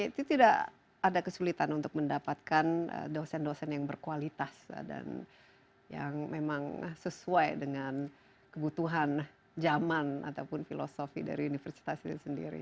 itu tidak ada kesulitan untuk mendapatkan dosen dosen yang berkualitas dan yang memang sesuai dengan kebutuhan zaman ataupun filosofi dari universitas itu sendiri